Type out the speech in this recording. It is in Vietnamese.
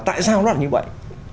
tại sao nó là như vậy